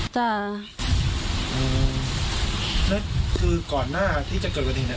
จ้าอืมคือก่อนหน้าที่จะเกิดวันเห็นอ่ะ